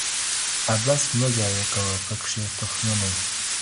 عبث مه ضایع کوه پکښي تخمونه